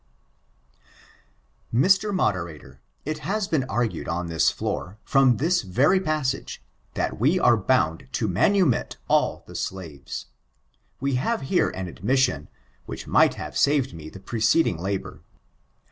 '* Mr. Moderator, it has been argued on this floor, from this very passage, that we are bound to manumit all the slaves. We have here an admission, which might have saved me the preceding labor.